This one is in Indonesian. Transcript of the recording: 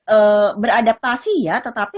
ee beradaptasi ya tetapi